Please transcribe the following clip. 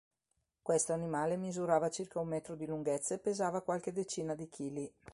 Questo animale misurava circa un metro di lunghezza e pesava qualche decina di chili.